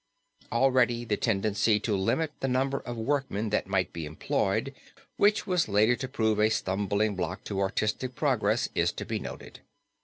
Already the tendency to limit the number of workmen that might be employed which was later to prove a stumbling block to artistic progress is to be noted.